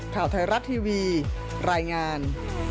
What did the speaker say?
ข่าวไทยรัฐทีวีรายงาน